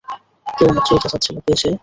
কেউ মাত্রই চেচাচ্ছিলো, কে সে?